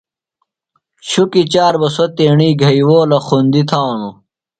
شُکی چار بہ سوۡ تیݨی گھئیوؤلہ خُندیۡ تھانوۡ۔